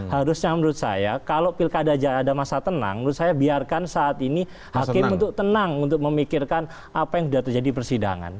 harusnya menurut saya kalau pilkada ada masa tenang menurut saya biarkan saat ini hakim untuk tenang untuk memikirkan apa yang sudah terjadi persidangan